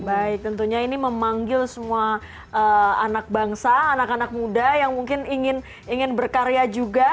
baik tentunya ini memanggil semua anak bangsa anak anak muda yang mungkin ingin berkarya juga